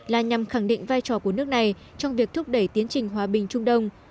là nhằm khẳng định vai trò của nước này trong việc thúc đẩy tiến trình hòa bình trung đông